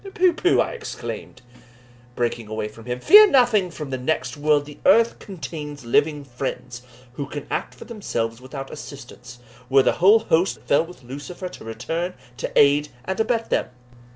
"Pooh! pooh!" I exclaimed, breaking away from him, "fear nothing from the next world the earth contains living fiends, who can act for themselves without assistance, were the whole host that fell with Lucifer to return to aid and abet them."